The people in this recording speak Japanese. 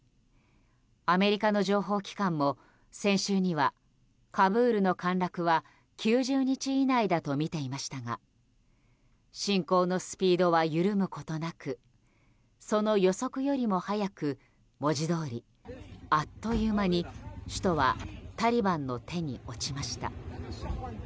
アメリカの情報機関も先週にはカブールの陥落は９０日以内だとみていましたが侵攻のスピードは緩むことなくその予測よりも早く文字どおり、あっという間に首都はタリバンの手に落ちました。